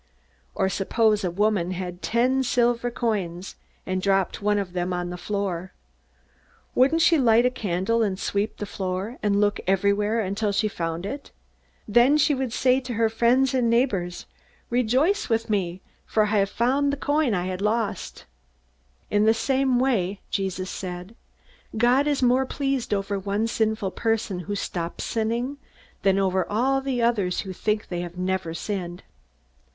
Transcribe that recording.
"Or suppose a woman had ten silver coins, and dropped one of them on the floor. Wouldn't she light a candle and sweep the floor and look everywhere until she found it? Then she would say to her friends and neighbors: 'Rejoice with me! For I have found the coin that I lost!' "In the same way," Jesus said, "God is more pleased over one sinful person who stops sinning than over all the others who think they have never sinned."